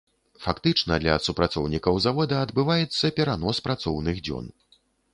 Фактычна, для супрацоўнікаў завода адбываецца перанос працоўных дзён.